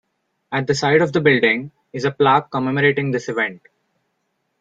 At the side of the building is a plaque commemorating this event.